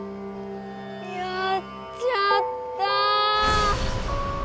やっちゃった。